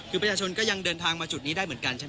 คือประชาชนก็ยังเดินทางมาจุดนี้ได้เหมือนกันใช่ไหม